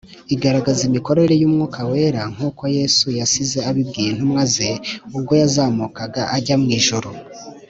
igaragaza imikorere y’ umwuka wera nkuko Yesu yasize abibwiye intumwa ze ubwo yazamukaga ajya mu ijuru.